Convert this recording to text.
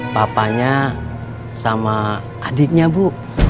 bapaknya sama adiknya bu